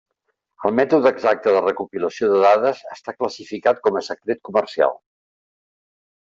El mètode exacte de recopilació de dades està classificat com a secret comercial.